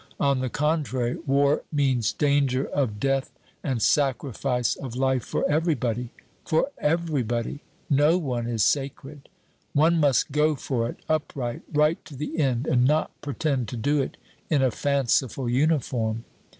On the contrary, war means danger of death and sacrifice of life for everybody, for everybody; no one is sacred. One must go for it, upright, right to the end, and not pretend to do it in a fanciful uniform.